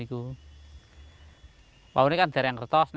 kalau ini jarang kertas